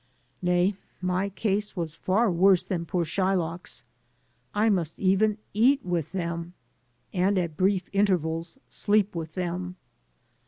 Nay, my case was far worse than poor Shy lock's: I must even eat with them and — ^at brief intervals — sleep with them.